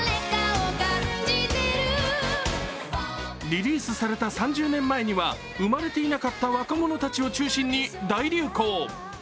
リリースされた３０年前には生まれていなかった若者たちを中心に大流行。